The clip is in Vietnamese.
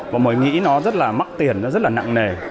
và mới nghĩ nó rất là mắc tiền nó rất là nặng nề